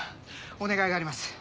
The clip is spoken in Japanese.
お願いがあります。